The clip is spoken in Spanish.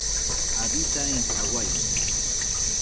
Habita en Hawái.